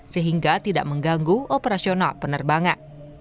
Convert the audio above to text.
sehingga tidak mengganggu operasional penerbangan